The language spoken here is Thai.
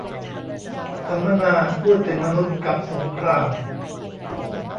สัมมนาพูดถึงมนุษย์กับสงคราม